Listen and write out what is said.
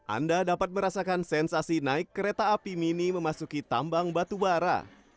anda dapat merasakan sensasi naik kereta api mini memasuki tambang batubara